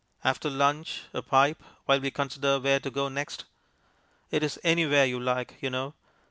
After lunch a pipe, while we consider where to go next. It is anywhere you like, you know.